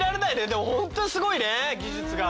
でも本当すごいね技術が。